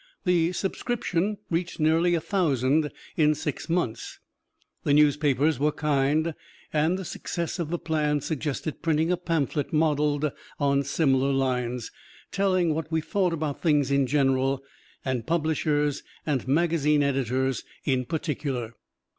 The subscription reached nearly a thousand in six months; the newspapers were kind, and the success of the plan suggested printing a pamphlet modeled on similar lines, telling what we thought about things in general, and publishers and magazine editors in particular.